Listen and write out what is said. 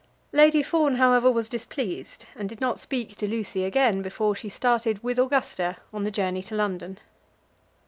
Lady Fawn, however, was displeased, and did not speak to Lucy again before she started with Augusta on the journey to London.